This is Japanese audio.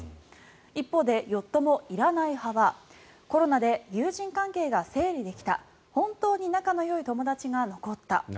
一方でよっ友いらない派はコロナで友人関係が整理できた本当に仲のよい友達が残った。